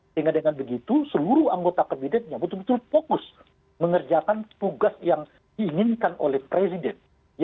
sehingga dengan begitu seluruh anggota kabinetnya betul betul fokus mengerjakan tugas yang diinginkan oleh presiden